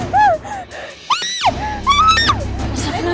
selama para mental